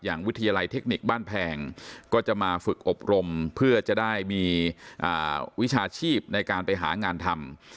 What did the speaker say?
วิทยาลัยเทคนิคบ้านแพงก็จะมาฝึกอบรมเพื่อจะได้มีวิชาชีพในการไปหางานทำ